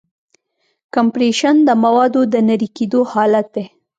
کمپریشن د موادو د نری کېدو حالت دی.